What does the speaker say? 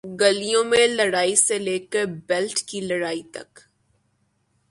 گلیوں میں لڑائی سے لے کر بیلٹ کی لڑائی تک،